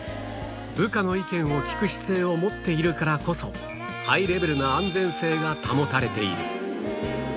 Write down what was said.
部下の意見を聞く姿勢を持っているからこそ、ハイレベルな安全性が保たれている。